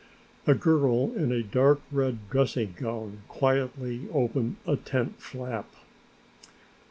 A girl in a dark red dressing gown quietly opened a tent flap.